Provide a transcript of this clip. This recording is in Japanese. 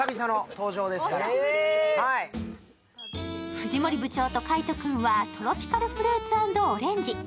藤森部長と海音君はトロピカルフルーツ＆オレンジ。